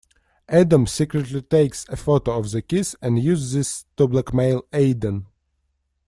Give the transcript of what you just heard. Adam secretly takes a photo of the kiss, and uses this to blackmail Aidan.